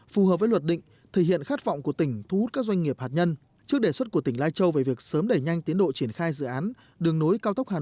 phù hợp với luật định thể hiện khát vọng của tỉnh thu hút các doanh nghiệp hạt nhân